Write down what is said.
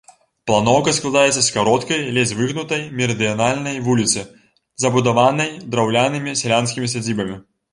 Планоўка складаецца з кароткай, ледзь выгнутай мерыдыянальнай вуліцы, забудаванай драўлянымі сялянскімі сядзібамі.